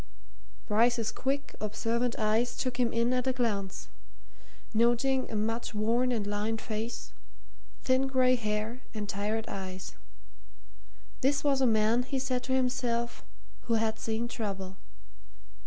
Bryce's quick, observant eyes took him in at a glance, noting a much worn and lined face, thin grey hair and tired eyes; this was a man, he said to himself, who had seen trouble.